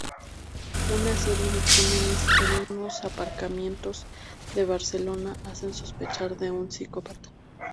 Una serie de crímenes en unos aparcamientos de Barcelona hacen sospechar de un psicópata.